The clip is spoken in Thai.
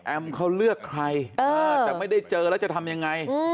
เขาเลือกใครแต่ไม่ได้เจอแล้วจะทำยังไง